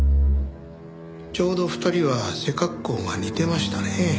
ちょうど２人は背格好が似てましたねえ。